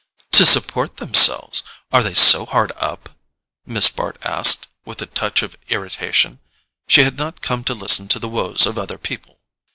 "To support themselves? Are they so hard up?" Miss Bart asked with a touch of irritation: she had not come to listen to the woes of other people.